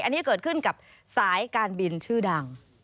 อันนี้เกิดขึ้นกับสายการบินชื่อดัง